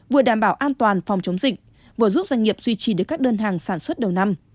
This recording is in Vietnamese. vừa đảm bảo an toàn phòng chống dịch vừa giúp doanh nghiệp duy trì được các đơn hàng sản xuất đầu năm